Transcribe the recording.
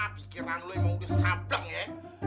pikiran lu emang udah sableng ya